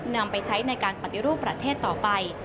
นำไปใช้ในการปฏิรูปประเทศต่อไป